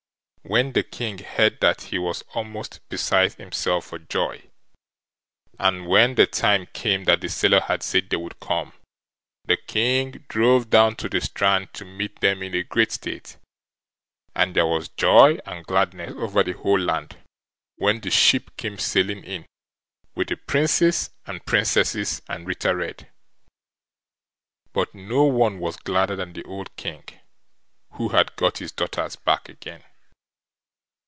When the King heard that he was almost beside himself for joy; and when the time came that the sailor had said they would come, the King drove down to the strand to meet them in a great state; and there was joy and gladness over the whole land, when the ship came sailing in with the Princes and Princesses and Ritter Red. But no one was gladder than the old King, who had got his daughters back again.